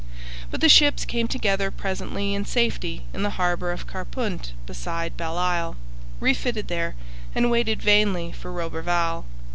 But the ships came together presently in safety in the harbour of Carpunt beside Belle Isle, refitted there, and waited vainly for Roberval.